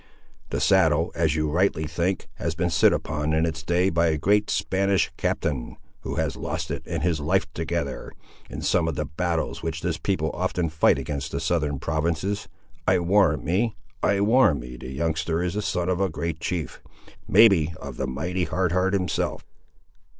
The saddle, as you rightly think, has been sit upon in its day by a great Spanish captain, who has lost it and his life together, in some of the battles which this people often fight against the southern provinces. I warrant me, I warrant me, the youngster is the son of a great chief; may be of the mighty Hard Heart himself!"